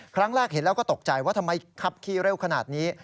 ครั้งแรกเห็นแล้วก็ตกใจว่าทำไมขับขี่เร็วขนาดนี้